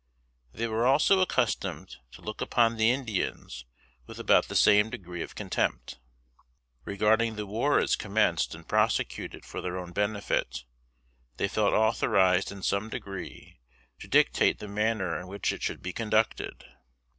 They were also accustomed to look upon the Indians with about the same degree of contempt. Regarding the war as commenced and prosecuted for their own benefit, they felt authorized in some degree to dictate the manner in which it should be conducted.